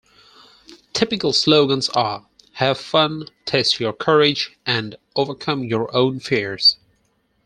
Typical slogans are: Have fun, Test your Courage and Overcome your Own Fears.